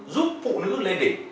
giúp phụ nữ lên đỉnh